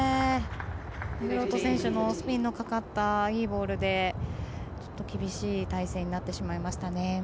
デフロート選手のスピンのかかったいいボールで厳しい体勢になってしまいました。